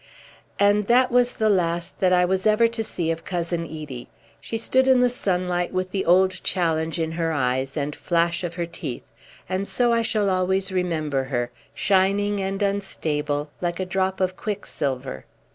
And that was the last that I was ever to see of Cousin Edie. She stood in the sunlight with the old challenge in her eyes, and flash of her teeth; and so I shall always remember her, shining and unstable, like a drop of quicksilver.